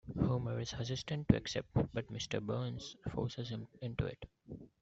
Homer is hesitant to accept, but Mr. Burns forces him into it.